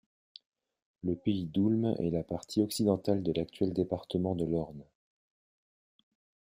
Le pays d'Houlme est la partie occidentale de l’actuel département de l’Orne.